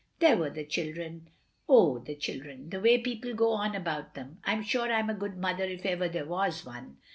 ''There were the children." " Oh, the children. The way people go on about them. I 'm sure I *m a good mother if ever there was one.